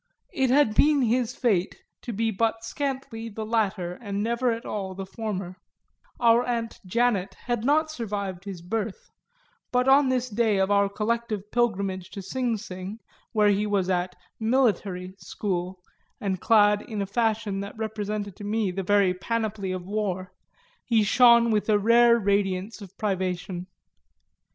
It had been his fate to be but scantly the latter and never at all the former our aunt Janet had not survived his birth; but on this day of our collective pilgrimage to Sing Sing, where he was at a "military" school and clad in a fashion that represented to me the very panoply of war, he shone with a rare radiance of privation.